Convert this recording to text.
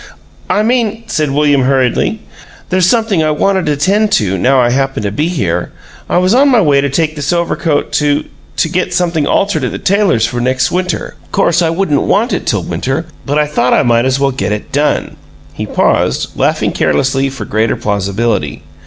"I mean," said William, hurriedly, "there's something I wanted to 'tend to, now I happen to be here. I was on my way to take this overcoat to to get something altered at the tailor's for next winter. 'Course I wouldn't want it till winter, but I thought I might as well get it DONE." He paused, laughing carelessly, for greater plausibility.